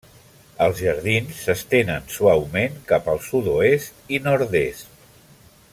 Els jardins s'estenen suaument cap al sud-oest i nord-est.